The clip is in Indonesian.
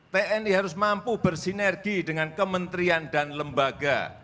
tni harus mampu bersinergi dengan kementerian dan lembaga